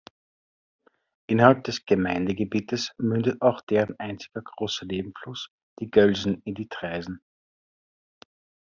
Innerhalb des Gemeindegebietes mündet auch deren einziger großer Nebenfluss die Gölsen in die Traisen.